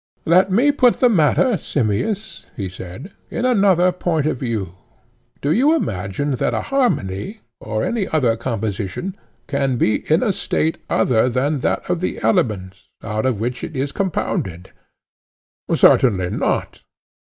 Let me put the matter, Simmias, he said, in another point of view: Do you imagine that a harmony or any other composition can be in a state other than that of the elements, out of which it is compounded? Certainly not.